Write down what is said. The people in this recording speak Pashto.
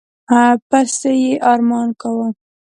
پسي یې ارمان کاوه.